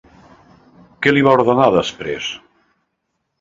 Què li va ordenar després?